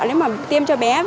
nếu mà tiêm cho bé